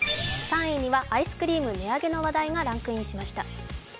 ３位にはアイスクリーム値上げの話題がランクインしました。